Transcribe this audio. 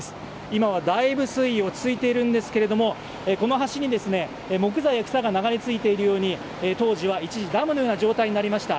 今はだいぶ水位は落ち着いているんですがこの橋に木材や草が流れ着いているように当時は一時ダムのような状態になりました。